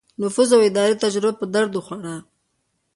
نفوذ او اداري تجربه په درد وخوړه.